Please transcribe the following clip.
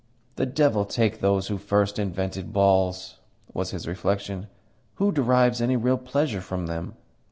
"The devil take those who first invented balls!" was his reflection. "Who derives any real pleasure from them?